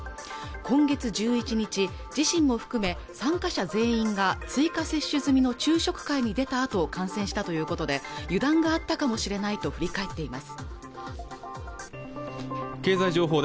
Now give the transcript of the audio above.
今月１１日自身も含め参加者全員が追加接種済みの昼食会に出たあと感染したということで油断があったかもしれないと振り返っています